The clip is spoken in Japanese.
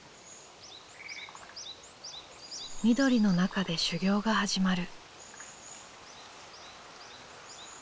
緑の中で修行が始まる。